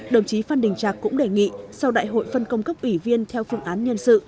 đồng chí phan đình trạc cũng đề nghị sau đại hội phân công cấp ủy viên theo phương án nhân sự